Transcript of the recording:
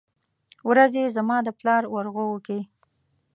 ورځې زما د پلار ورغوو کې ،